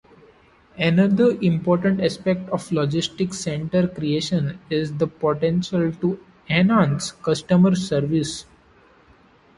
Another important aspect of logistics center creation is the potential to enhance customer service.